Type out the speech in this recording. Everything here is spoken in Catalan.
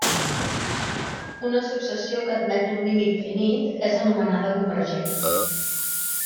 Una successió que admet un límit finit és anomenada convergent.